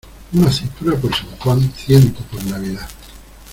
Una aceituna por San Juan, ciento por Navidad.